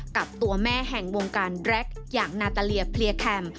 กับตัวแม่แห่งวงการแร็กอย่างนาตาเลียเพลียแคมป